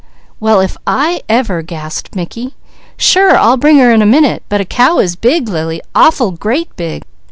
"Well, if I ever!" gasped Mickey. "Sure, I'll bring her in a minute; but a cow is big, Lily! Awful, great big.